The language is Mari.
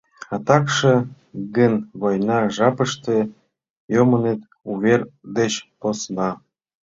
— А такше гын, война жапыште йомыныт, увер деч посна.